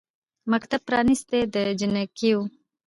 مکتب پرانیستی د جینکیو